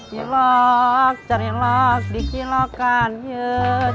cilok cari cilok di cilokannya cilok